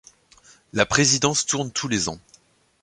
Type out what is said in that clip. La présidence tourne tous les ans.